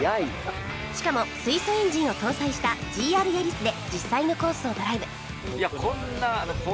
しかも水素エンジンを搭載した ＧＲ ヤリスで実際のコースをドライブ